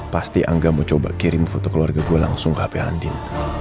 pasti angga mau coba kirim foto keluarga gue langsung ke hp andin